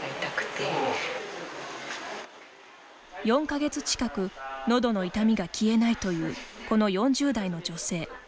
４か月近くのどの痛みが消えないというこの４０代の女性。